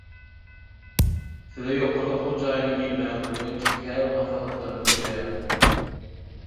Size ýokary okuw jaýyna girmäge kömek etjek käbir maslahatlary hödürleýäris.